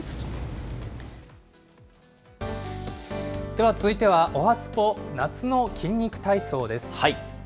では続いてはおはＳＰＯ、夏の筋肉体操です。